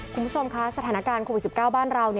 คุณผู้ชมคะสถานการณ์โควิด๑๙บ้านเรา